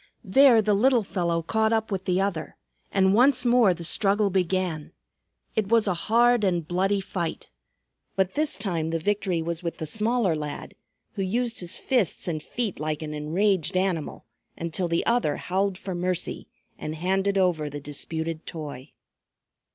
There the little fellow caught up with the other, and once more the struggle began. It was a hard and bloody fight. But this time the victory was with the smaller lad, who used his fists and feet like an enraged animal, until the other howled for mercy and handed over the disputed toy.